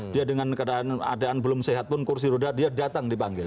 dia dengan keadaan belum sehat pun kursi roda dia datang dipanggil